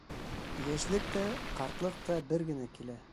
Йәшлек тә, ҡартлыҡ та бер генә килә.